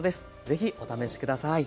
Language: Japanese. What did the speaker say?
ぜひお試し下さい。